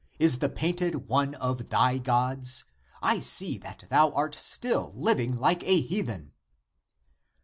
Is the painted one of thy gods? I see that thou art still living like a heathen